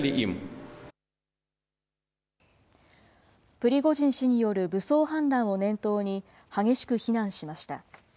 プリゴジン氏による武装反乱を念頭に、激しく非難しました。